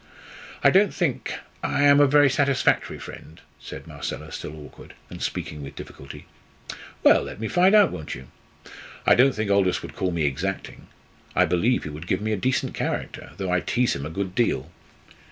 "I don't think I am a very satisfactory friend," said Marcella, still awkward, and speaking with difficulty. "Well, let me find out, won't you? I don't think Aldous would call me exacting. I believe he would give me a decent character, though I tease him a good deal.